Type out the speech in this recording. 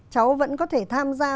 cháu vẫn có thể tham gia